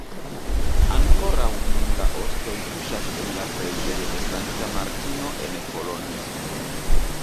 Ankoraŭ nun la ostoj kuŝas en la preĝejo de Sankta Martino en Kolonjo.